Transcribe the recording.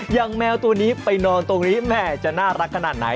แมวตัวนี้ไปนอนตรงนี้แม่จะน่ารักขนาดไหน